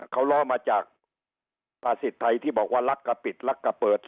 เขาล้อมาจากประสิทธิ์ไทยที่บอกว่าลักกะปิดลักกะเปิด